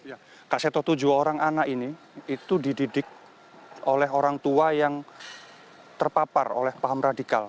ya kak seto tujuh orang anak ini itu dididik oleh orang tua yang terpapar oleh paham radikal